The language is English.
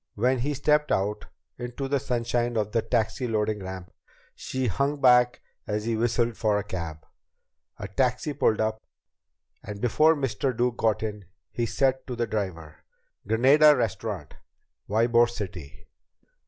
When he stepped out into the sunshine of the taxi loading ramp, she hung back as he whistled for a cab. A taxi pulled up, and before Mr. Duke got in, he said to the driver: "Granada Restaurant. Ybor City."